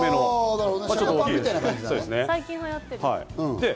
最近流行ってる。